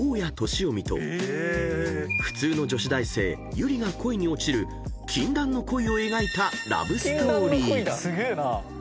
臣と普通の女子大生ユリが恋に落ちる禁断の恋を描いたラブストーリー］